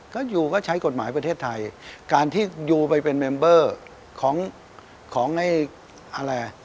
ก็ยูก็ใช้กฎหมายประเทศไทยการที่ยูไปเป็นเมมเบอร์ของของไอ้อะไรอ่ะ